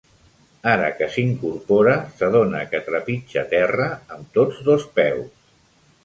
Ara que s'incorpora s'adona que trepitja terra amb tots dos peus.